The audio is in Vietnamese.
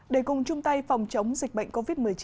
để cùng chung tay phòng chống dịch bệnh covid một mươi chín